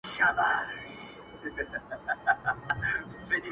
بېګا خوب وینمه تاج پر سر باچا یم-